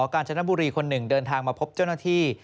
การจนบุรีคนหนึ่งเดินทางมาพบเจ้าหน้าที่